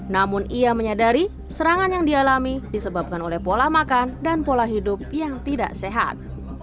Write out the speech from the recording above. namun ia menyadari serangan yang dialami disebabkan oleh pola makan dan pola hidup yang tidak sehat